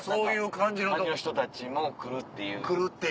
感じの人たちも来るっていう。